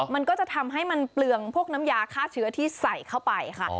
มันก็จะทำให้มันเปลืองพวกน้ำยาฆ่าเชื้อที่ใส่เข้าไปค่ะ